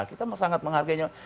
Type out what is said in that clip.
kita sangat menghargai nyawa